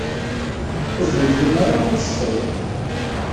Ur d-yeggri ara ukeffay.